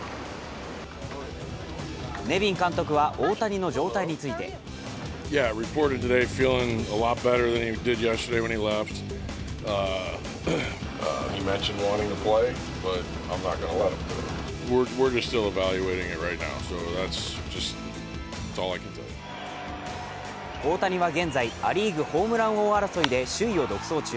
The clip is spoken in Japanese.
ネビン監督は大谷の状態について大谷は現在、ア・リーグホームラン王争いで首位を独走中。